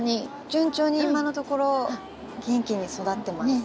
順調に今のところ元気に育ってます。